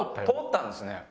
通ったんですね。